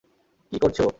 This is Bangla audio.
কী করছে ও?